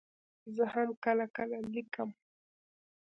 زه هم کله کله لیکم.